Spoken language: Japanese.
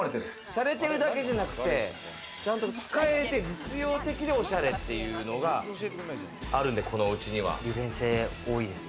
しゃれてるだけじゃなくて、ちゃんと使えて、実用的でおしゃれというのがあるんで、このおうちには。